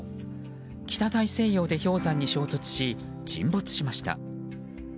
北大西洋で氷山に衝突し沈没しました。